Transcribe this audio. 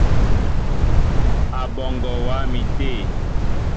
Aɓɔŋgɔ wá mi té.